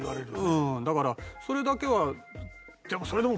うんだからそれだけは。